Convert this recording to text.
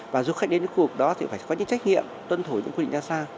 và du khách đến những khu vực đó thì phải có những trách nhiệm tuân thủ những quy định ra sao